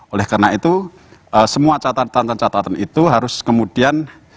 oleh karena itu semua catatan catatan itu harus kemudian